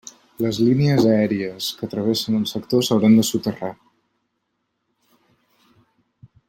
Les línies aèries que travessen el sector s'hauran de soterrar.